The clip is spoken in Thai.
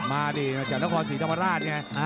มาดิจากนครศรีธรรมราชไง